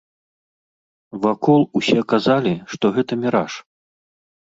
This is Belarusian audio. Вакол усе казалі, што гэта міраж.